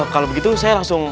kalau begitu saya langsung